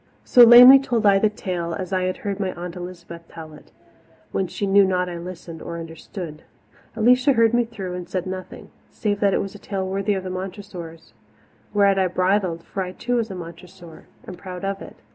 So lamely told I the tale, as I had heard my Aunt Elizabeth tell it, when she knew not I listened or understood. Alicia heard me through and said nothing, save that it was a tale worthy of the Montressors. Whereat I bridled, for I too was a Montressor, and proud of it.